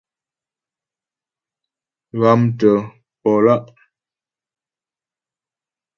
Ghámtə̀ po lá'.